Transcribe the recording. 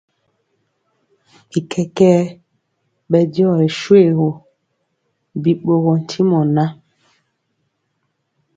Bi kɛkɛɛ bɛdiɔ ri shoégu, bi ɓorɔɔ ntimɔ ŋan,